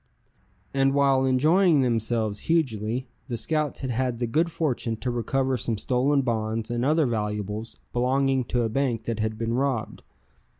And while enjoying themselves hugely, the scouts had had the good fortune to recover some stolen bonds and other valuables belonging to a bank that had been robbed.